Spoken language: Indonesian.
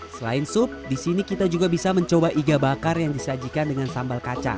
selain sup di sini kita juga bisa mencoba iga bakar yang disajikan dengan sambal kacang